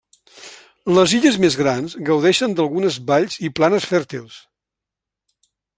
Les illes més grans gaudeixen d'algunes valls i planes fèrtils.